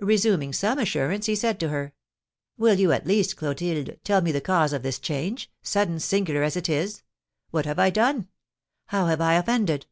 Resuming some assurance, he said to her: "Will you, at least, Clotilde, tell me the cause of this change, sudden, singular as it is? What have I done? How have I offended?"